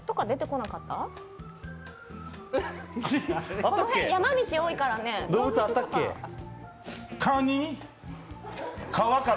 この辺山道多いからね、動物とか。